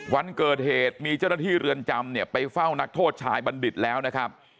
วันเกิดเหตุมีเจ้าหน้าที่เรือนจำเนี่ยไปเฝ้านักโทษชายบัณฑิตแล้วนะครับ